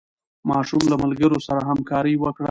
ماشوم له ملګرو سره همکاري وکړه